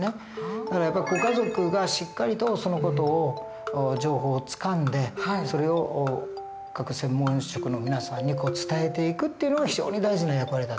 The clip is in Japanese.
だからやっぱりご家族がしっかりとその事を情報をつかんでそれを各専門職の皆さんに伝えていくっていうのが非常に大事な役割だと思うんです。